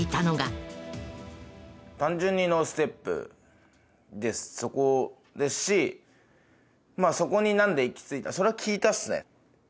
単純にノーステップでそこですしまあそこになんで行き着いたそれは聞いたっすね。